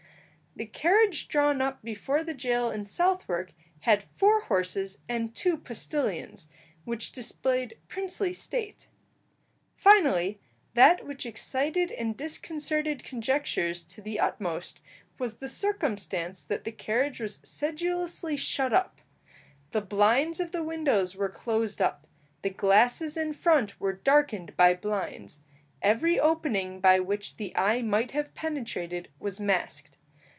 The carriage drawn up before the jail in Southwark had four horses and two postillions, which displayed princely state. Finally, that which excited and disconcerted conjectures to the utmost was the circumstance that the carriage was sedulously shut up. The blinds of the windows were closed up. The glasses in front were darkened by blinds; every opening by which the eye might have penetrated was masked.